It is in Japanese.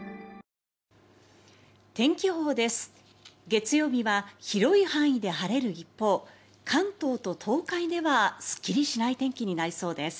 月曜日は広い範囲で晴れる一方関東と東海ではすっきりしない天気になりそうです。